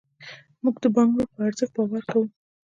موږ د بانکنوټ پر ارزښت باور کوو.